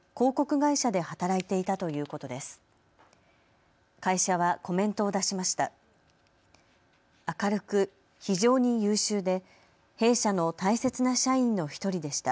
会社はコメントを出しました。